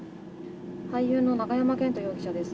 俳優の永山絢斗容疑者です。